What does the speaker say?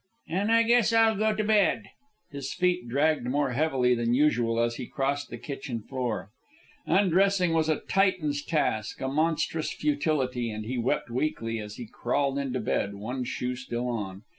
"An' I guess I'll go to bed." His feet dragged more heavily than usual as he crossed the kitchen floor. Undressing was a Titan's task, a monstrous futility, and he wept weakly as he crawled into bed, one shoe still on.